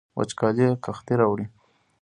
وچکالي قحطي راوړي